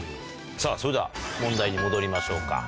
さぁそれでは問題に戻りましょうか。